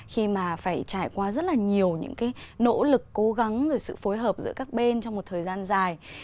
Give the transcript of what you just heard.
khi mà phải trải qua rất là nhiều những cái nỗ lực cố gắng sự phối hợp giữa các bên trong một thời gian dài